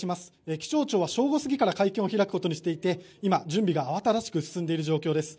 気象庁は正午過ぎから会見を開くことにしていて今、準備が慌ただしく進んでいる状況です。